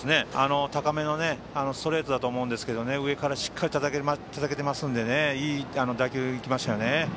高めのストレートだと思うんですけど上からしっかりたたけてますのでいい打球が行きましたよね。